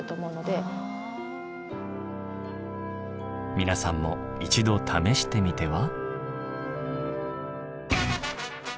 皆さんも一度試してみては？